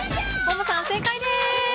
モモさん、正解です！